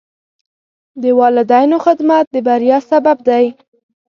د والدینو خدمت د بریا سبب دی.